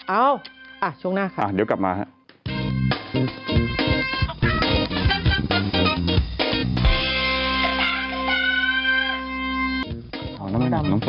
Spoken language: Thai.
เอ้าช่วงหน้าค่ะเดี๋ยวกลับมาฮะ